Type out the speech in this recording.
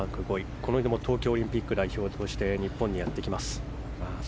この人も東京オリンピック代表として日本にやってきます。